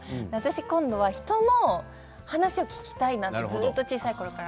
今度は人の話を聞きたいなとずっと小さいころから。